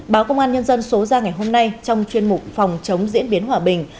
báo công an nhân dân số ra ngày hôm nay trong chuyên mục phòng chống diễn biến hòa bình